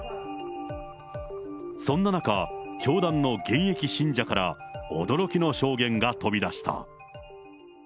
そんな中、教団の現役信者から、驚きの証言が飛び出した。